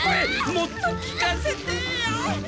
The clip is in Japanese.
もっと聞かせてよ！